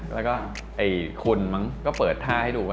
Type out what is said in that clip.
แล้วก็ไอ้คุณมั้งก็เปิดท่าให้ดูว่า